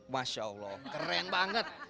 masya allah keren banget